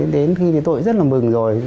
đến khi tôi rất là mừng rồi